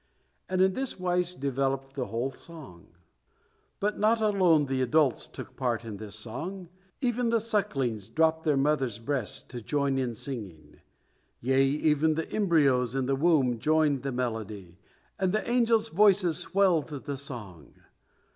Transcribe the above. And in this wise developed the whole song. But not alone the adults took part in this song, even the sucklings dropped their mothers' breasts to join in singing; yea, even the embryos in the womb joined the melody, and the angels' voices swelled the song.